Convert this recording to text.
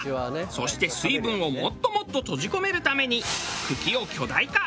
そして水分をもっともっと閉じ込めるために茎を巨大化。